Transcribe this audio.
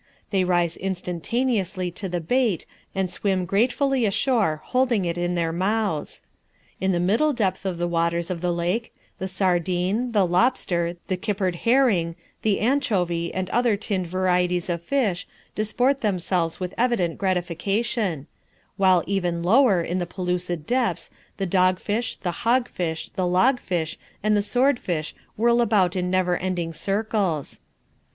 They rise instantaneously to the bait and swim gratefully ashore holding it in their mouths. In the middle depth of the waters of the lake, the sardine, the lobster, the kippered herring, the anchovy and other tinned varieties of fish disport themselves with evident gratification, while even lower in the pellucid depths the dog fish, the hog fish, the log fish, and the sword fish whirl about in never ending circles.